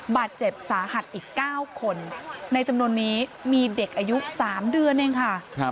บาดเจ็บสาหัสอีก๙คนในจำนวนนี้มีเด็กอายุ๓เดือนเองค่ะ